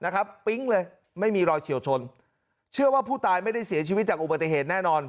ปิ๊งเลยไม่มีรอยเฉียวชนเชื่อว่าผู้ตายไม่ได้เสียชีวิตจากอุบัติเหตุแน่นอน